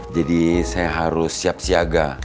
jadi saya harus siap siaga